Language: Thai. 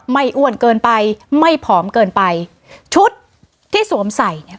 อ้วนเกินไปไม่ผอมเกินไปชุดที่สวมใส่เนี่ย